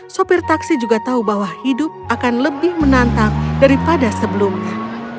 sopir taksi juga tahu bahwa hidup akan lebih menantang daripada sebelumnya